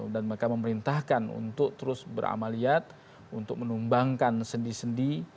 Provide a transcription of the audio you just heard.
dan mereka memerintahkan untuk terus beramaliat untuk menumbangkan sendi sendi